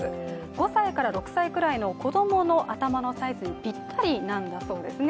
５歳から６歳くらいの子供の頭のサイズにぴったりなんだそうですね。